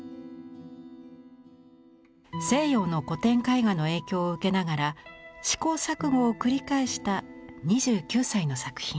西洋の古典絵画の影響を受けながら試行錯誤を繰り返した２９歳の作品。